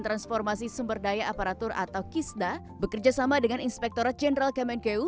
transformasi sumber daya aparatur atau kisda bekerjasama dengan inspektorat jenderal kemenkeu